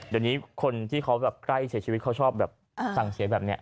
เดี๋ยวนี้คนที่เขาแบบใกล้เสียชีวิตเขาชอบแบบสั่งเสียแบบนี้